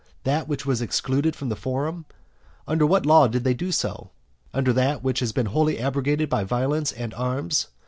that which was excluded from the forum? Under what law did they do so? under that which has been wholly abrogated by violence and arms?